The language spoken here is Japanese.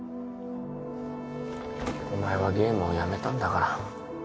お前はゲームをやめたんだから